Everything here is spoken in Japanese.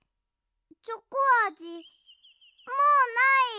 チョコあじもうない！